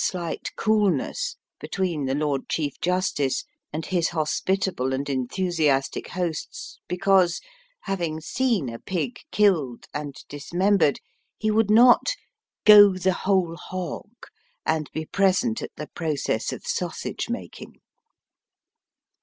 39 slight coolness between the Lord Chief Justice and his hospitable and enthusiastic hosts because, having seen a pig killed and dismem bered, he would not '^ go the whole hog " and be present at the process of sausage making.